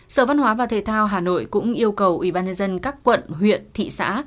sở văn hóa và thể thao hà nội cũng yêu cầu ủy ban nhân dân các quận huyện thị xã